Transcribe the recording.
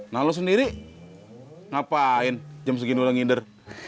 nah lu sendiri ngapain jam segini udah ngider